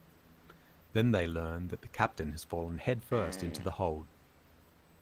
Then they learn that the captain has fallen head-first into the hold.